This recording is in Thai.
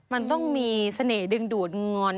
มันต้องมีเสน่หดึงดูดงอน